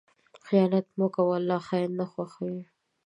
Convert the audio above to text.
خیانت مه کوه، الله خائن نه خوښوي.